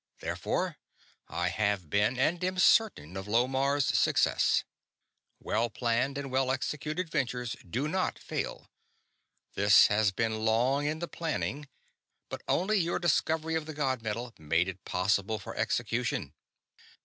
Therefore I have been and am certain of Lomarr's success. Well planned and well executed ventures do not fail. This has been long in the planning, but only your discovery of the god metal made it possible of execution."